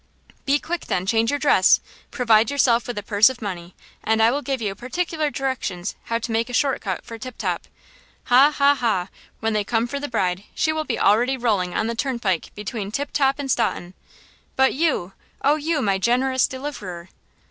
"Be quick, then; change your dress! provide yourself with a purse of money, and I will give you particular directions how to make a short cut for Tip Top. Ha, ha, ha! when they come for the bride she will be already rolling on the turnpike between Tip Top and Staunton!" "But you! Oh, you, my generous deliverer?"